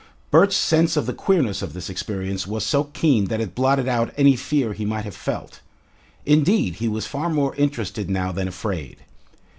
Bert's sense of the queerness of this experience was so keen that it blotted out any fear he might have felt. Indeed, he was far more interested now than afraid.